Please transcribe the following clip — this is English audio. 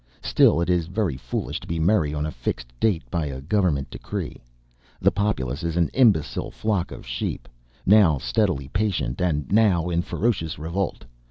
Still it is very foolish to be merry on a fixed date, by a Government decree. The populace is an imbecile flock of sheep, now steadily patient, and now in ferocious revolt.